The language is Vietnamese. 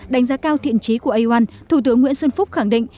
đánh giá cao thiện trí của aomon thủ tướng nguyễn xuân phúc khẳng định